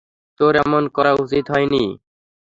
তোর এমন করা উচিত হয়নি।